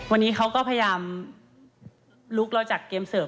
วันนี้เขาก็พยายามลุกเราจากเกมเสิร์ฟ